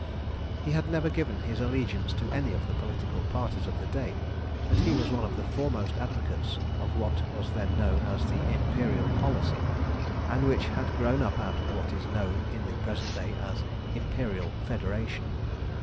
He had never given his allegiance to any of the political parties of the day, but he was one of the foremost advocates of what was then known as the Imperial policy, and which had grown up out of what is known in the present day as Imperial Federation.